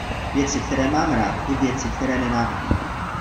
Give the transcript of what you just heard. Věci, které mám rád, i věci, které nenávidím.